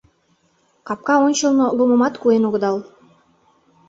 Капка ончылно лумымат куэн огыдал.